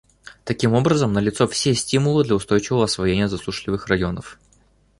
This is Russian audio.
Таким образом, налицо все стимулы для устойчивого освоения засушливых районов.